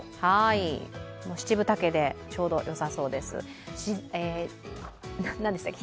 七分丈でちょうどよさそうです。